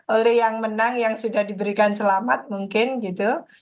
oleh yang menang yang sudah diberikan selamat mungkin gitu